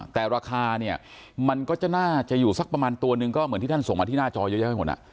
แต่ราคาเนี่ยมันก็จะน่าจะอยู่สักประมาณตัวหนึ่งก็เหมือนที่ท่านส่งมาที่หน้าจอเยอะแยะไปหมด